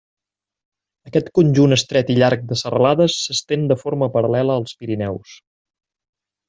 Aquest conjunt estret i llarg de serralades s'estén de forma paral·lela als Pirineus.